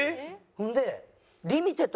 ほんで。